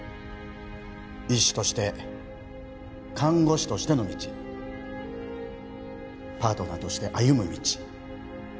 医師として看護師としての道パートナーとして歩む道